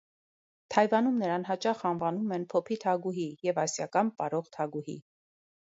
Թայվանում նրան հաճախ անվանում են «փոփի թագուհի» և «ասիական պարող թագուհի»։